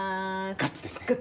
ガッツですねはい。